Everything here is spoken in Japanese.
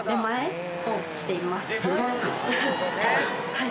はい。